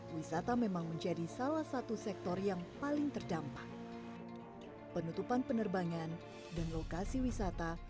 wisata memang menjadi salah satu sektor yang paling terdampak penutupan penerbangan dan lokasi wisata